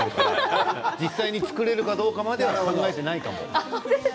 実際に作れるかどうかまでは考えていないかも。